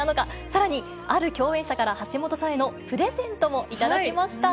さらに、ある共演者から橋本さんへのプレゼントも頂きました。